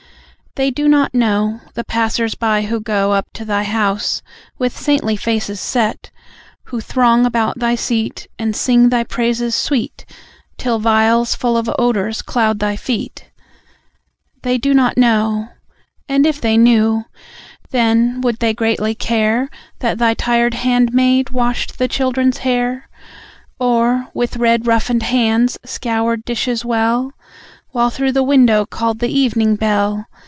They do not know, The passers by, who go Up to Thy house, with saintly faces set; Who throng about Thy seat, And sing Thy praises sweet, Till vials full of odours cloud Thy feet; They do not know ... And, if they knew, then would they greatly care That Thy tired handmaid washed the children's hair; Or, with red roughened hands, scoured dishes well, While through the window called the evening bell?